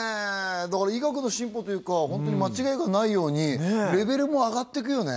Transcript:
だから医学の進歩というかホントに間違いがないようにレベルも上がっていくよね